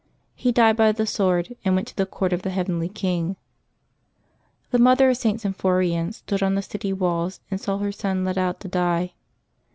He died by the sword, and went to the court of the heavenly King. The mother of St. S}Tnphorian stood on the city walls and saw her son led out to die.